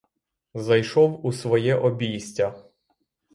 Зайшов у своє обійстя.